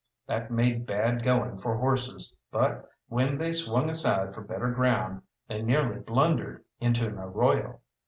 That made bad going for horses, but, when they swung aside for better ground, they nearly blundered into an arroyo.